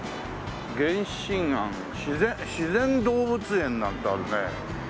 源心庵自然自然動物園なんてあるね。